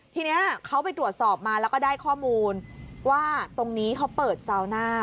ทีนี้เขาไปตรวจสอบมาแล้วก็ได้ข้อมูลว่าตรงนี้เขาเปิดซาวน่า